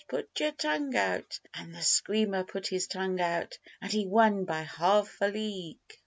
put yer tongue out!' An' the Screamer put his tongue out, and he won by half a tongue.